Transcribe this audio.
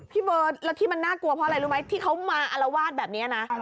พี่เบิร์ตแล้วที่มันน่ากลัวเพราะอะไรรู้ไหมที่เขามาอารวาสแบบนี้นะ